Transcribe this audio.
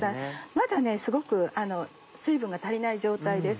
まだねすごく水分が足りない状態です。